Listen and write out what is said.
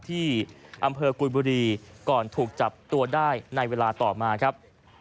ที่อำเภอกุยบุรีก่อนถูกจับตัวได้ในเวลาต่อมาครับ